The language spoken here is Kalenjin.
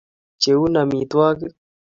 pcheuni amitwogik